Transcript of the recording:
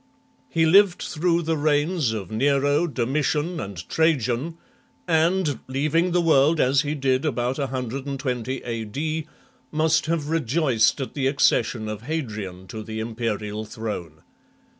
He lived through the reigns Nero, Domitian, and Trajan, and, leaving the world as he did about 120 a.p., must have rejoiced at the accession of Hadrian to the imperial throne.